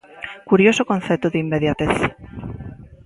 ¡Curioso concepto de inmediatez!